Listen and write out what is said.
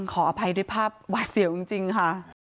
ขออภัยด้วยภาพหวาดเสียวจริงค่ะ